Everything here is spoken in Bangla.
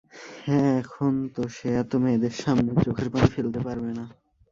হ্যাঁ, এখন তো সে এতো মেয়েদের সামনে সে চোখের পানি ফেলতে পারবে না।